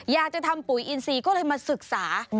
อยากจะทำปุ๋ยอินซีก็เลยมาศึกษา